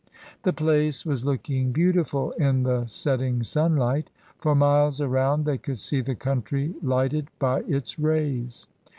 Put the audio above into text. The place was looking beautiful in the setting sunlight — for miles around they could see the country lighted by its rays.